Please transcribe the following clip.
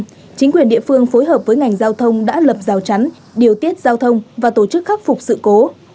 hiện chính quyền địa phương phối hợp với ngành giao thông đã lập rào trắn điều tiết giao thông và tổ chức khắc phục sự cố